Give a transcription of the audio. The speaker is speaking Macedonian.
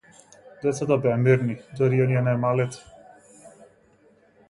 Децата беа мирни, дури и оние најмалите.